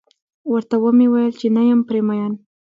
ورته و مې ويل چې نه یم پرې مين.